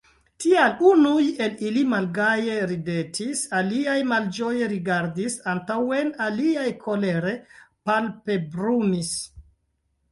Tial unuj el ili malgaje ridetis, aliaj malĝoje rigardis antaŭen, aliaj kolere palpebrumis.